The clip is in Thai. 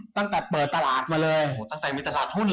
ตั้งแต่เปิดตลาดมาเลยตั้งแต่มีตลาดหุ้น